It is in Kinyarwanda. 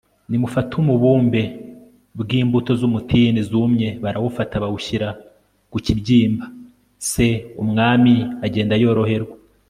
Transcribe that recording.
nimufate umubumbeb w imbuto z umutini zumye Barawufata bawushyira ku kibyimba c umwami agenda yoroherwa